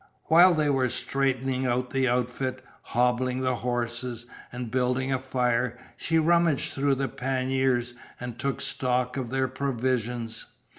While they were straightening out the outfit, hobbling the horses, and building a fire, she rummaged through the panniers and took stock of their provisions.